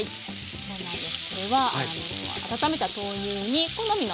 そうなんです。